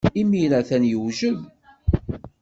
Imir-a, atan yewjed.